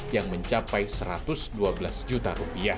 yang mencapai rp satu ratus dua belas juta